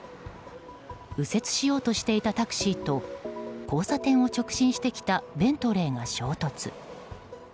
右折しようとしていたタクシーと交差点を直進してきたベントレーが衝突。